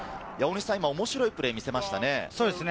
今、面白いプレーを見せましたね。